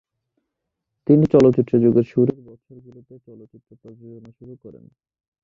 তিনি চলচ্চিত্র যুগের শুরুর বছরগুলোতে চলচ্চিত্র প্রযোজনা শুরু করেন।